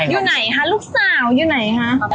อยู่ไหนข้าลูกสาวยู๋ไหน